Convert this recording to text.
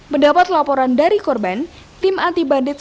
mendapat laporan dari korban tim anti bandit